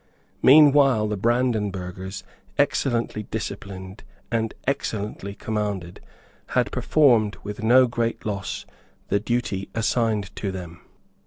Meanwhile the Brandenburghers, excellently disciplined and excellently commanded, had performed, with no great loss, the duty assigned to them.